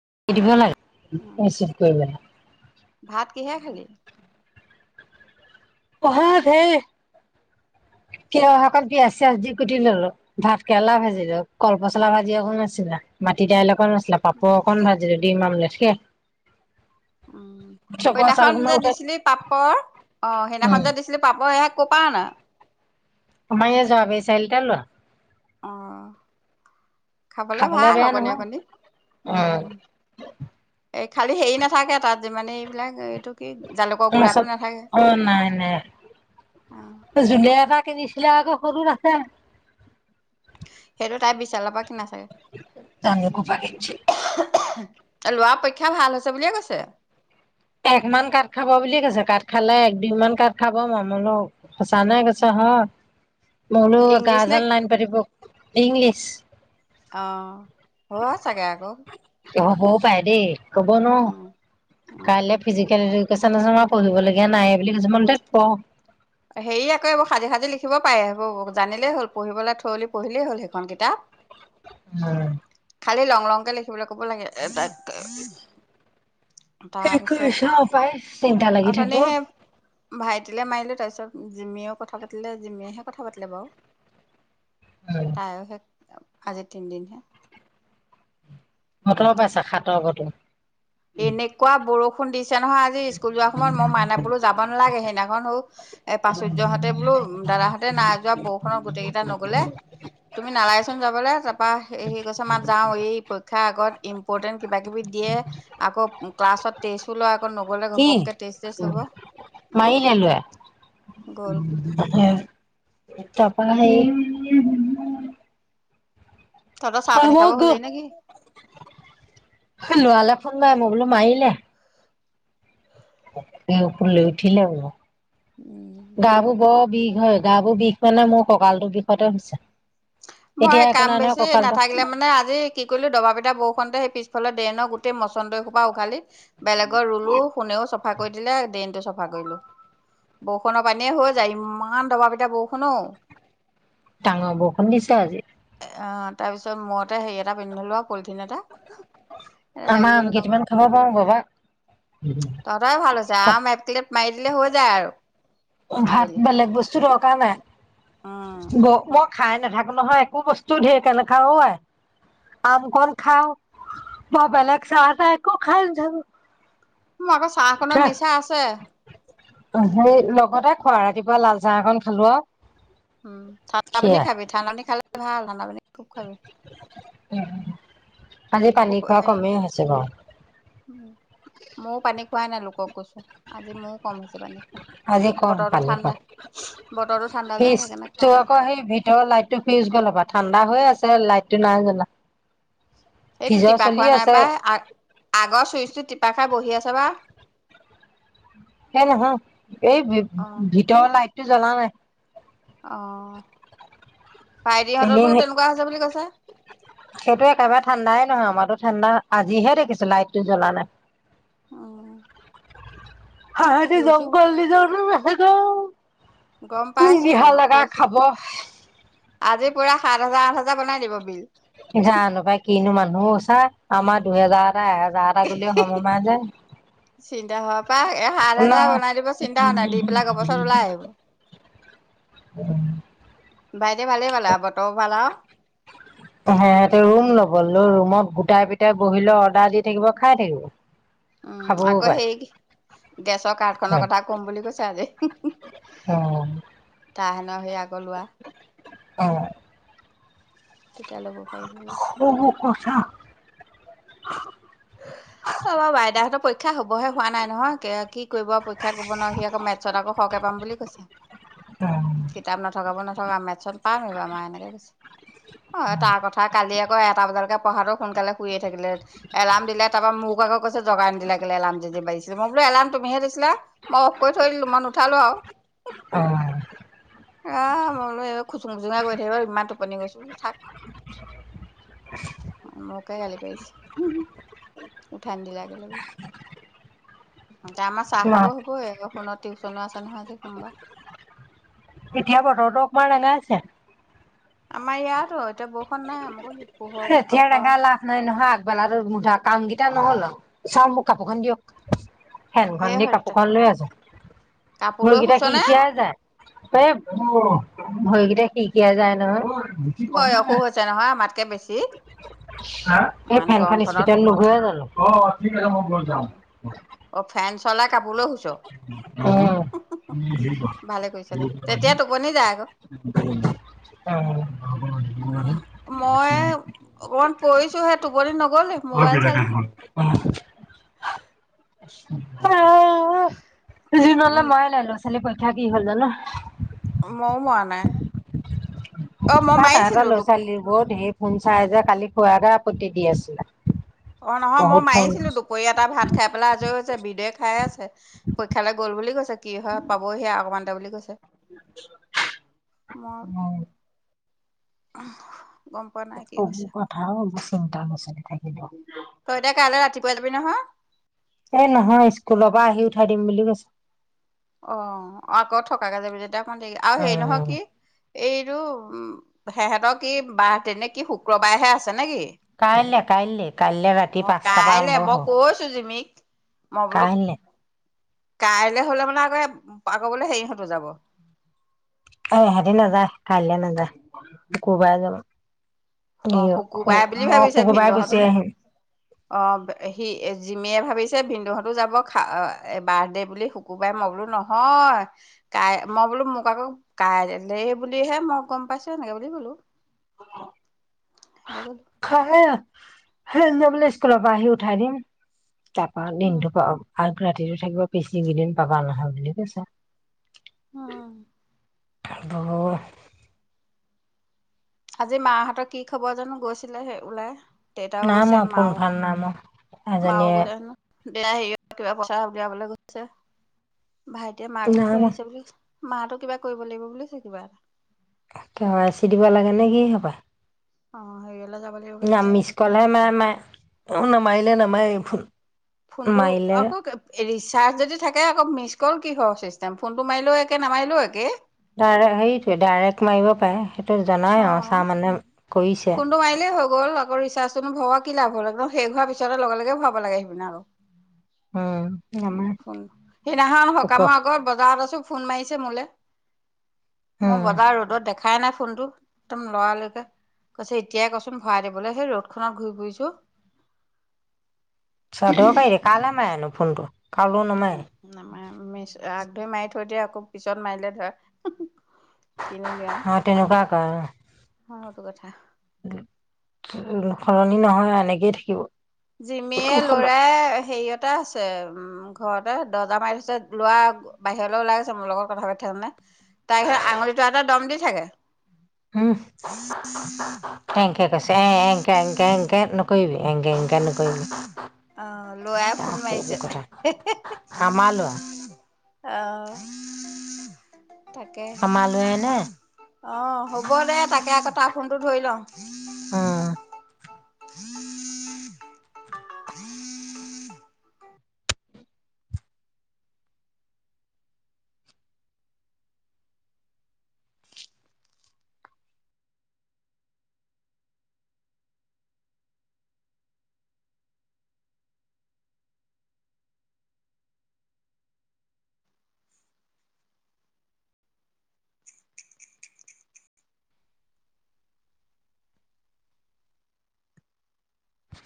[unintelligible] অ মিক্সিত কৰি পেলাই ভাত কিহে খালি? অহা ধেই তিঁয়হ শাকত পিঁয়াজ চিয়াজ দি কুটি ললো ভাত কেৰেলা ভাজিলো কল পচলা ভাজি অকোণ আছিলে মাটি দাইল অকণ আছিলে। পাপৰ অকণ ভাজি ললো। দিম আমলেত সেইয়াই। উম সেইদিনা খন যে দিছিলি পাপৰ অ! অ সেইনাখন উম যে দিছিলি পাপ ইয়াক। কপা অনা। আমাৰ এই যোৱাবি চাৰিআলিতে লোৱা। অ। খাবলে ভাল বেয়া অকণি নহয় অকণি উম। এই খালী হেৰি নাথাকে তাত মানে এইবিলাক এইটো। কি জালুকৰ গুড়াটো মাছত, নাথাকে অ নাই নাই অ জুলীয়া এটা। তে নিচিলে আক সৰু আছে। সেইটো তাই বিশালৰ পৰা কিনা জানো ক'পা কিনিছিলে চাগে। ল'ৰা পৰীক্ষা ভাল হৈছে বুলিয়ে কৈছে। এক মান কাঠ খাব বুলি কৈছে কাঠ খালে এক দিনমান কাত খাব মামোন অ সঁচা নে কৈছ হয়। মোলো ইংলিছ নে গাজেন লাইন পাতিব ইংলিছ। অ হয় চাগে আকৌ হবও পাই দেই। হব ন। উম উম কাইলে ফিজিকেল এডোকেচন আছে মই পঢ়িবলগীয়া নাই বুলি কৈছে মই বোলো তেইত পঢ়। হেৰি আকৌ এইবোৰ সাজি সাজি লিখিব পাৰে সেইবোৰ জানিলেই হ'ল, পঢ়িবলৈ উঠিলে পঢ়িলেই হ'ল সেইখন কিতাপ। উম। খালী লং লংকৈ লিখিবলৈ ক'ব লাগে তাক। শেষ তাৰপিছত কৰিছো পায় চিন্তা লাগি অথনি থাকে অ। সেই ভাইটিলে মাৰিলো তাৰপাছত। তাৰপাছত জিমিয়েও কথা পাতিলে জিমিয়েহে কথা পাতিলে বাৰু। তাইও সে আজি তিনিদিন হে। মতৰ পাইছে সাতৰ কতো। এনেকুৱা বৰষুণ। ষুণ দি। পিছে নহয় আজি স্কুল যোৱাৰ সময়ত মই মাইনা বোলো যাব নালাগে সেইদিনাখন হওক। [unintelligible] এ প্ৰাচুৰ্যহতে বোলো দাদাহঁতে নাযোৱা বৰষুণত গোতেই কেইটা নগলে। তুমি নালাগেচোন যাবলৈ তাৰপা সি কৈছে মা যাও এই পৰীক্ষাৰ আগত ইম্পৰটেণ্ট কিবা কিবি দিয়ে। আকৌ ক্লাছত তেইছো লোৱা অকণ নগলে ঘপকে তেজ তেজ ল'ব মাইলে গ'ল তাৰ পা? তহঁতৰ চাহ পানী হল খাব হ'লেই নেকি মই বুলো মাৰিলে। এই প লৈ উঠি লে বুলোঁ। গা বোৰো বিষ হয় গা বোৰ বিষ মানে মোৰ ককালটোৰ বিষতে হৈছে, মই এতিয়া একো কাম নাই নহয় বেছি কঁকালটো নাথাকিলে মানে আজি কি কৰিলো দবা পিটাা বৰষুণতে সেই পিছফালে। ড্ৰৰনৰ গোটেই মচন্দৰ সোপা উঘালি, বেলেগৰ ৰুলো কোনেও চব চাফা কৰি দিলে ড্ৰেইনতটো চফা কৰিলো বৰষুণৰ পানীয়ে হৈ যায় ইমান দবা পিটায়া বৰষুণো, াঙাবখন দিছে আজি অ তাৰ পিছত মই টো হেৰি এটা পিন্ধিলো আৰু পলিথিন এটা এ আমাৰ লাগি আম গলো কামত, কেইটামান খাব পাৰো বাবা তহঁতেই ভাল হৈছে আম এক পিলেত মাৰি দিলে হৈ যায় আৰু ভাত আবেলি বেলেগ বস্তু, চ ক নে, উম ব মই খাই নাথাকে নহয় একো বস্তু ঢেৰ কে নখাওাই অ আই। আম কন খাও বা বেলেগ চাহ তাহ একো খাই ধৰ মোৰ আকৌ চাহ খনৰ নিচা আছে। সেই লগতে খোৱা ৰাতিপুৱা লাল চাহকন খালো আৰু উম ঠাণ্ডা পানী সেয়াই খাবি, ঠাণ্ডা পানী খালে ভাল, ঠাণ্ডা পানী ত খাব উম! আজি আকৌ পানী খোৱা হেৰি কমেই হৈছে বাৰু উম ময়ো পানী খোৱাই নাই লোকক কৈছো আজি মই য়ে কম খাইছো আজি গৰম পানী খালো, বতৰটো ঠাণ্ডা যে সেইকাৰণে খোৱা ফিজটো নাই আকৌ সেই ভিতৰ লাইট টো ফিউজ গ'ল পা ঠাণ্ডা হৈ আছে লাইটটো নাই জানা! সেইটো টিপা খোৱা নাই বাই, আ-আগৰ চুইচটো টিপা খাই বহি আছে বা। সেই নহয়, এই অ ভিতৰ লাইট টো জ্বলা নাই। অহ। এনে হে, সাইটো একেবাৰে ঠাণ্ডাই নহয় আমাৰতোত। ঠাণ্ডা, আজিহে দেখিছো লাইট টো জ্বলা নাই। উম হা পিউছো জংঘল দি যনো ন। গম [unintelligible] পাইছো দিহাল লগা কৈছো খাব। আজি পুৰা সাত হাজাৰ, আঠ হাজাৰ বনাই দিব বিল। জানো পাই কিনো মানুহো চা আমাৰ দুহেজাৰ যাহ এহাজাৰ এটা গুলি সমমাই যে, চিন্তা হোৱাৰ পৰা এ সাত হাজাৰ বনাই দিব চিন্তা হোৱা নাই দি পেলাই গবছৰত ওলাই আহিব ন। ভাইটে ভালে পালে আগত হেহতে ৰুম ল'ব, লৈ ৰুমত গোটাই পিটাই বহিল অৰ্ডাৰ দি থাকিব, খাই থাকিব। উম, খাবও আকৌ পাৰে সেই গেছৰ কাৰ্ডখনৰ কথা কম বুলি কৈছে আজি। উম তাহানে সেই আকৌ লোৱা অ। তেতিয়া ল'ব পাৰিব ইয়াত। সব কথা [unintelligible] আমাৰ মাইনাহতৰ পৰীক্ষা হ'বহে, হোৱা নাই নহয় কেয়া কি কৰিব পৰীক্ষাত কৰিব নোৱাৰো, সি আকৌ মেথছত আকৌ সৰকে পাম বুলি কৈছে। উম কিতাপ নথকাব ন থকা মেচত পাম এইবাৰ মা এনেকে কৈছে। অ' তাৰ কথা কালি আকৌ এটা বজালৈকে পঢ়াতো সোনকালে শুয়ে থাকিলে, এলাৰ্ম দিলে। তাৰপৰা মোক আকৌ কৈছে জগাই নিদিলা কেলে এলাৰ্ম যদি বাজিছিলে। মই বোলো এলাৰ্ম তুমিহে দিছিলা, মই অফ কৰি থৈ দিলো মই নুঠালো আৰু। অহ। আহ ম বুলো খুমুঙাৈগৈ থাকিব ইমান টোপনি গৈছে। থাক, মোকে গালি পাৰিছে। উঠান দিলা বুলি। তাই আমাৰ চাহ খাব হবই, শোণত টিউচনো আছে নহয় আজি সোমবাৰ। এতিয়া বতৰটো অকমান ৰেঙাইছে। আমাৰ ইয়াতো, এতিয়া বৰষুণ নাই, ম কচু এতিয়া ৰেঙা লাভ নাই নহয় আগ বেলাটো মুধা কাম কেইটা নহল আৰু, চাও মোক কাপোৰখন দিয়ক। ফেন খন সেই দি কাপোৰ হৰিতে খন লৈ আছো। কাপোৰ মই লৈ এইকিটা শুইছ সি নে? সিয়াই যায়। প্ৰেম ভৰিকেইটা সিৰ-সিৰাই যায় নহয়। বয়সো হৈছে নহয় আমাতকে বেছি এই ইমান ফেনখন গৰমখনত স্পিটে নুঘূৰে অ জানো? অ ফেন চলাই কাপোৰ লৈ শুইছ উম ভালে কৰিছ দে তেতিয়া [unintelligible] টোপনি যায় উম উ মই অকমান পৰিছোহে টোপনি নগলে মোবাইল চালো [unintelligible] অঁ তু জি নললে মায়ে লৈ লৈছে কালি পক্ষা কি হ'ল জানো মইও মৰা নাই। অ মই মাৰিছিলো দু- শুন চাই যে কালি খোৱাতে আপত্তি দি আছিলে। অ নহয় মই বহুত ফোন উম মাৰিছিলো দুপৰীয়া তাই ভাত খাই পেলাই আজৰি হৈছে বিধে খাই আছে পৰীক্ষালৈ গল বুলি কৈছে। কি হয় পাবহে আৰু অক'মান ড বুলি কৈছে। মৰ সেইবোৰ অহ সোৰ কথা ব চিন্তা নচ থাক হিটো তই এতিয়া কাইলৈ ৰাতি কৈ যাবি নহয়? কিম বুলি কৈছে অ আকৌ থকাকে যাবি যেতিয়া কোন তাৰিকে আৰু হেৰি নহয় উম কি এইটো উম হে সহঁতৰ কি বাহ তেনে কি শুক্ৰবাৰেহে আছে নেকি কাইলৈ কাইলৈ কাইলৈ ৰাতি অ পাঁচটাৰ পৰা কাইলে আৰম্ভ মই হ'ব কৈছো জিমিক মই বোলোঁ কাইলে কাইলে হলে মানে য়ে পাৰকৰিবলে হেৰি হেতৰ যাব সেই হেতি নেযায় কাইলে নেযায় শুকুৰবাৰে যাব। অ ই শুকুবাই বুলি মই ভাবিছে শুকুৰবাৰে ভিনদেউহতো গুচি আহিম অ সি জিমিয়ে ভাবি ছে ভিনদেউহঁতো যাব খা অ বাৰ্থডে বুলি শুকুৰবাৰে মই কলোঁ নহয় কাই মই বোলো মোক আকৌ কাইলে বুলিহে মই গম পাইছো। এনেকে বুলি কলোঁ। খাইে হ বোলে স্কুলৰ পৰা আহি উঠাই দিম। তাপা নি উম আৰু ৰাতিটো থাকিব পেছি এইকেইদিন পাবা নহয় বুলি কৈছে আহ ব আজি মাহঁতৰ কি খবৰ জানো গৈছিলে সে ওলাই। দেউতাও নাই গৈছে ময়া ফোন মাও ভাল নাই মো এজনীয়ে বিলাহী কিবা পচা [unintelligible] ভাইটিয়ে মাকক নাই থৈ মৰা আহিছে বুলি কৈছে। মাতো কিবা কৰিব লাগিব বুলিছে কিবা? কে ৱাই চি দিব লাগে নে কি অ হৈ গ না মিছ কলে মে, মে অ মাইলে, নেমাই ফোনটো আকৌ কেব এৰিছ চাৰ্জ যদি থাকে আকৌ মিছ কল কিহৰ চিষ্টেম, ফোনটো মাৰিলেও একে নামাৰিলেও একে। ডাইৰে, সেইটোৱে ডাৰেক্ট মাৰিব পাৰে। জানাই আও অ'। চাহ মানে কৰিছে ফোনটো মাইলে হৈ গ'ল মই ৰীচাৰ্জটোনো ভওৱা কি লাভ হল, শেষ হোৱাৰ পিছতে লগে-লগে ভৱাব লাগে সিপিনে আকৌ। উম নামাৰে অ ফোণ, সেইদিনাখন লোক সকামৰ আগত বজাৰত আছ তোক ফোন মাৰিছে মোলে। মই উম বজাৰ ৰ'দত তাক [unintelligible] না ফোনটো একদম লৰালৈকে পিছে এতিয়াই কচোন ভৰাই দিবলৈ সেই ৰ'দখনত ঘূৰি ফুৰিছো। চদোকাই কালা মেনু ফোনটো কালৈও উ নামাৰে নামাৰে মাইছো আগটো মাৰি থৈ দিয়ক। মোক পিছত মাৰিলে ধাৰ কিনো নিয়ম, অ তেনেকুৱা কৰে সটো কথা দুখৰণী নহয় আৰু এনেকেই থাকিব জিমিয়ে কৌশলত ল'ৰায়ে হেৰি এটা আছে, উম ঘৰতে দৰ্জা মাৰি থৈছে, লৰা বাহিৰলৈ ওলাই আহিছে, মোৰ লগত কথা পাতি থকা কাৰণে, তাই হে আঙুলি টোৱাই দম দি থাকে। [inaudible] সি কৈছে এ এংকে-এংকে-এংকে নকৰিবি। এনেকে এনেকে নকৰিবি অ লৰাই ফোন বাদদে মাৰিছে সেইবোৰ কথা সামালোৱা অহ তাকে হামালোৱাই নে? অহ হ'ব দে তাকে আকৌ তাৰ ফোনটো ধৰি লওঁ অহ উম